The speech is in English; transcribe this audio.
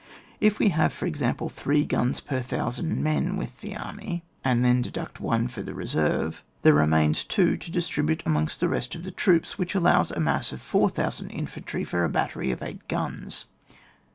If we have, for example, three guns per 1,000 men with the army, and l£en deduct one for the reserve, there remain two to distribute amongst the rest of the troops, which allows a mass of 4,000 infantry for a battery of eight guns.